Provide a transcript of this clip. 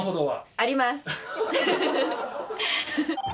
あります。